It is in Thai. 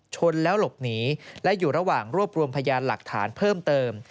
ชนแล้วหลบหนีและอยู่ระหว่างรวบรวมพยานหลักฐานเพิ่มเติม